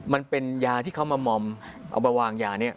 มันเป็นยาที่เขามามอมเอามาวางยานี้